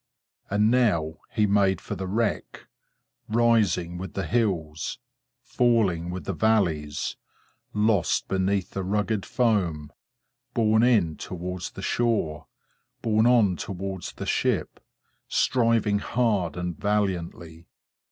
And now he made for the wreck, rising with the hills, falling with the valleys, lost beneath the rugged foam, borne in towards the shore, borne on towards the ship, striving hard and valiantly.